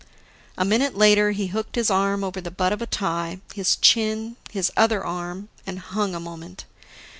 A minute later, he hooked his arm over the butt of a tie, his chin, his other arm, and hung a moment.